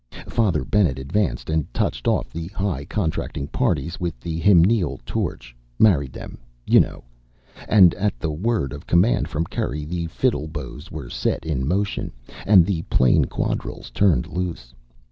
Father Bennett advanced and touched off the high contracting parties with the hymeneal torch (married them, you know), and at the word of command from Curry, the fiddle bows were set in motion, and the plain quadrilles turned loose.